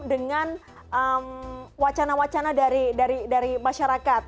dengan wacana wacana dari masyarakat